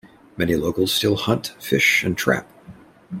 Many locals still hunt, fish, and trap.